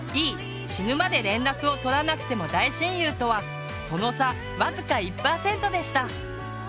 「死ぬまで連絡をとらなくても大親友」とはその差僅か１％でした。